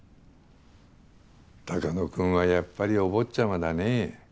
鷹野君はやっぱりお坊ちゃまだね。